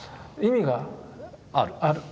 意味がある。